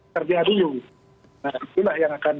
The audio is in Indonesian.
terjadinya dulu itulah yang akan